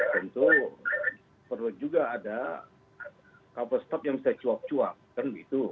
tentu perlu juga ada kabar staf yang bisa cuak cuak kan gitu